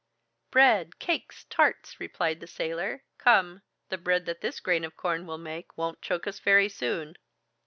"Bread, cakes, tarts!" replied the sailor. "Come, the bread that this grain of corn will make won't choke us very soon!"